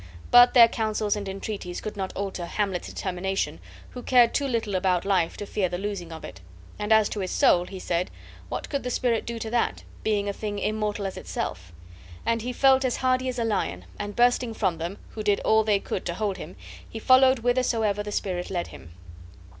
But their counsels and entreaties could not alter Hamlet's determination, who cared too little about life to fear the losing of it; and as to his soul, he said, what could the spirit do to that, being a thing immortal as itself? And he felt as hardy as a lion, and, bursting from them, who did all they could to hold him, he followed whithersoever the spirit led him.